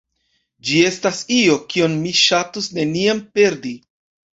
Ĝi estas io, kion mi ŝatus neniam perdi.